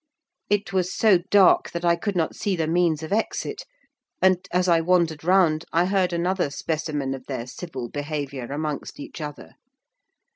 It was so dark that I could not see the means of exit; and, as I wandered round, I heard another specimen of their civil behaviour amongst each other.